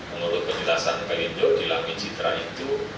menurut penjelasan pelindo di lampin citra itu